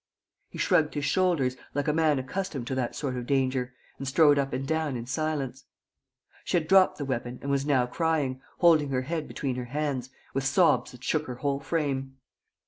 He shrugged his shoulders, like a man accustomed to that sort of danger, and strode up and down in silence. She had dropped the weapon and was now crying, holding her head between her hands, with sobs that shook her whole frame.